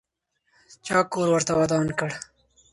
چا کور ورته ودان کړ؟